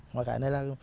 mà cái này là